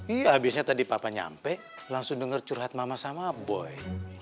iya biasanya tadi papa nyampe langsung dengar curhat mama sama boy